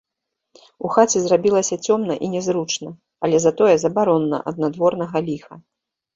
У хаце зрабілася цёмна і нязручна, але затое забаронна ад надворнага ліха.